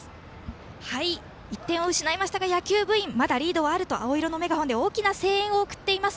１点を失いましたが野球部員はまだリードはあると青色のメガホンで声援を送っています。